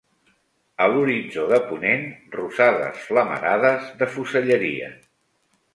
A l'horitzó de ponent, rosades flamarades de fuselleria